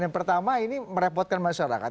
yang pertama ini merepotkan masyarakat